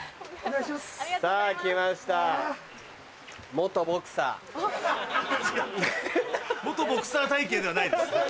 元ボクサー体形ではないです。